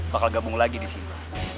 bakal gabung lagi di sini